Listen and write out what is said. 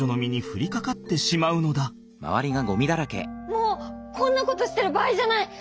もうこんなことしてる場合じゃない！